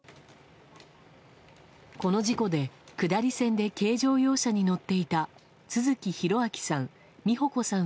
この事故で下り線で軽乗用車に乗っていた都築弘明さん美保子さん